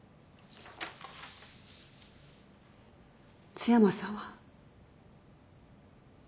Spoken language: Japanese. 津山さんは。